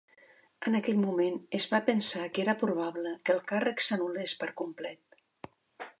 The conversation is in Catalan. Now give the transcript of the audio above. En aquell moment, es va pensar que era probable que el càrrec s'anul·lés per complet.